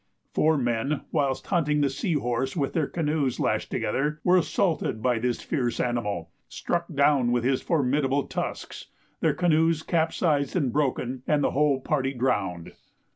Four men, whilst hunting the sea horse with their canoes lashed together, were assaulted by this fierce animal, struck down with his formidable tusks, their canoes capsized and broken, and the whole party drowned.